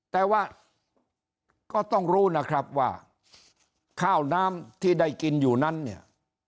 แต่ว่าก็ต้องรู้นะครับว่าข้าวน้ำที่ได้กินอยู่นั้นเนี่ย